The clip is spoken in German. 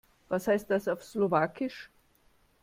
Was heißt das auf Slowakisch?